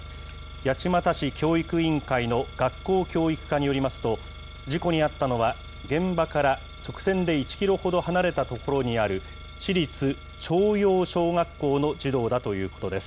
八街市教育委員会の学校教育課によりますと、事故に遭ったのは、現場から直線で１キロほど離れた所にある市立ちょうよう小学校の児童だということです。